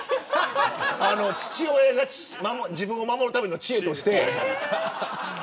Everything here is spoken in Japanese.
父親が自分を守るための知恵。